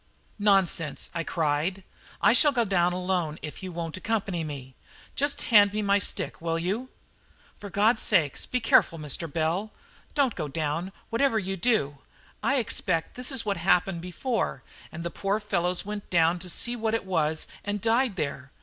"Nonsense," I cried. "I shall go down alone if you won't accompany me. Just hand me my stick, will you?" "For God's sake, be careful, Mr. Bell. Don't go down, whatever you do. I expect this is what happened before, and the poor fellows went down to see what it was and died there.